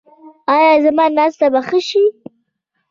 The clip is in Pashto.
ایا زما ناسته به ښه شي؟